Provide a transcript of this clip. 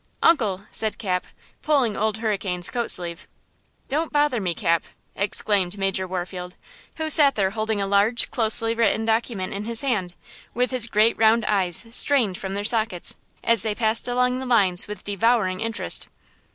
Uncle," said Cap, pulling Old Hurricane's coat sleeve. "Don't bother me, Cap," exclaimed Major Warfield, who sat there holding a large, closely written document in his hand, with his great round eyes strained from their sockets, as they passed along the lies with devouring interest.